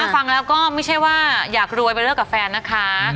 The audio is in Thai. ฟังแล้วก็ไม่ใช่ว่าอยากรวยไปเลิกกับแฟนนะคะ